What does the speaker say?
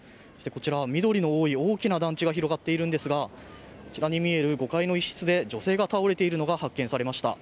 こちら緑の多い大きな団地が広がっているんですがこちらに見える５階の一室で女性が倒れているのが発見されました。